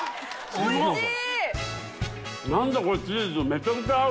おいしい！